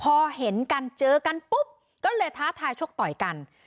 พอเห็นกันเจอกันปุ๊บก็เลยท้าทายชกต่อยกัน